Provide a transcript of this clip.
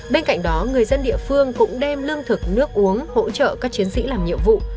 bên cạnh đó người dân địa phương cũng đem lương thực nước uống hỗ trợ các chiến sĩ làm nhiệm vụ